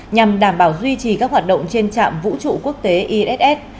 nhằm đảm bảo duy trì các hoạt động trên trạm vũ trụ quốc tế iss